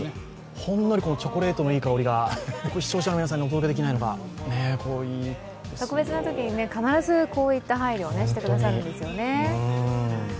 ほんのり、チョコレートのいい香りが、視聴者の皆さんにお届けできないのが特別なときに必ずこういった配慮をしてくださるんですよね。